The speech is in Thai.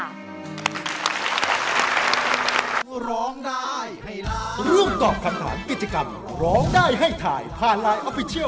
ร่วมสนุกได้ทุกวันเสาร์ตั้งแต่เวลา๑๙นาฬิกาจนถึงวันอาทิตย์เวลา๒๓นาฬิกา๕๙นาที